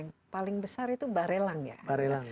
yang paling besar itu barelang ya